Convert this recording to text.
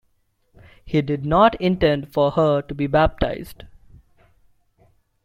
He did not intend for her to be baptized.